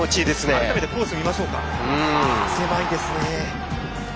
改めてコースを見ましても狭いですね。